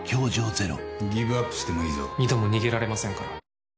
二度も逃げられませんから。